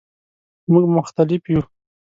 مونږ مختلف یو